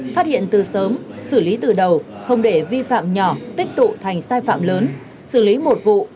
phát hiện từ sớm xử lý từ đầu không để vi phạm nhỏ tích tụ thành sai phạm lớn xử lý một vụ